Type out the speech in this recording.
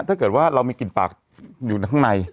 ถ้าเกิดว่าเรามีกลิ่นปากอยู่ข้างใน